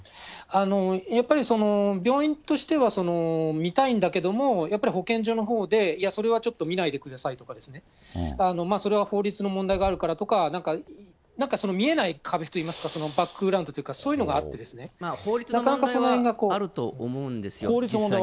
やっぱり、病院としては診たいんだけども、やっぱり保健所のほうで、それはちょっと見ないでくださいとか、それは法律の問題があるからとか、なんか見えない壁といいますか、バックグラウンドというかそういうのがあってで法律の問題はあると思うんですよ。